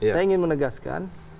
saya ingin menegaskan